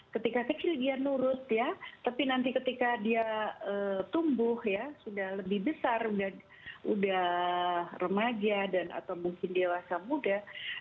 ketika kecil dia nurut ya tapi nanti ketika dia tumbuh ya sudah lebih besar sudah remaja dan atau mungkin dewasa muda